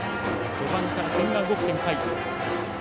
序盤から点が動く展開。